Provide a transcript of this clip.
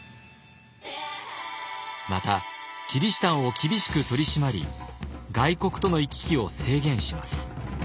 またキリシタンを厳しく取り締まり外国との行き来を制限します。